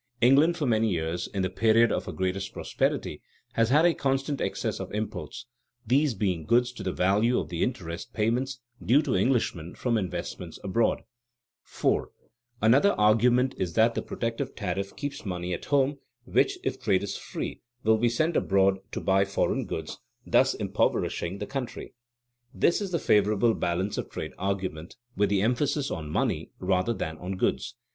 England for many years in the period of her greatest prosperity has had a constant excess of imports, these being goods to the value of the interest payments due to Englishmen from investments abroad. [Sidenote: "To keep money at home"] 4. _Another argument is that the protective tariff keeps money at home which, if trade is free, will be sent abroad to buy foreign goods, thus impoverishing the country._ This is the "favorable balance of trade" argument, with the emphasis on money rather than on goods.